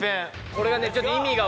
これはね